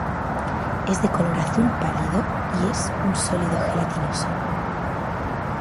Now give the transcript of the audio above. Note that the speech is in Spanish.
Es de color azul pálido y es un sólido gelatinoso.